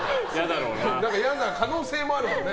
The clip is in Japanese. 嫌な可能性もあるからね。